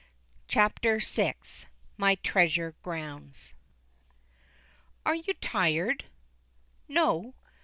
CHAPTER VI. MY TREASURE GROUNDS Are you tired? No?